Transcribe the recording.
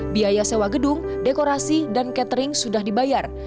biaya sewa gedung dekorasi dan catering sudah dibayar